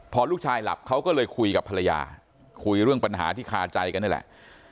พอลูกชายหลับเขาก็เลยคุยกับภรรยาคุยเรื่องปัญหาที่คาใจกันนี่แหละ